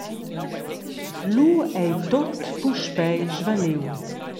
Lu ei tut puspei svaniu.